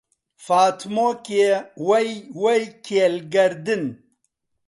فاتمۆکێ وەی وەی کێل گەردن